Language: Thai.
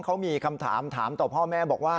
เขามีคำถามถามต่อพ่อแม่บอกว่า